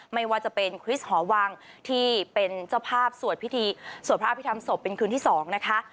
ไม่ว่าจะเป็นคริสตหอวังที่เป็นเจ้าภาพสวดพิธีสวดพระอภิษฐรรศพเป็นคืนที่๒นะคะ